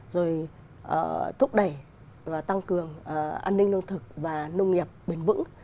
rồi thúc đẩy tăng cường an ninh lương thực và nông nghiệp bền vững